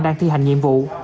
đang thi hành nhiệm vụ